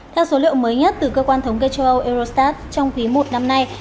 theo số liệu mới nhất từ cơ quan thống kê châu âu eurostat trong quý một năm nay